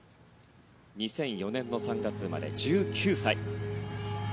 ２００４年の３月生まれ１９歳。